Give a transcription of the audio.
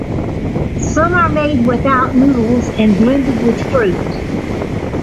Some are made without noodles and blended with fruit.